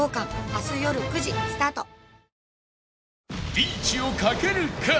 リーチをかけるか？